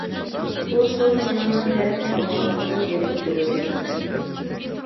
بۇ سول مېڭىنىڭ ھەرپ قالغانلىقىدىن دېرەك بېرىدۇ.